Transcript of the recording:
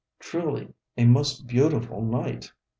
Truly a most beautiful night!